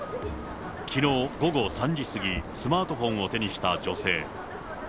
きのう午後３時過ぎ、スマートフォンを手にした女性。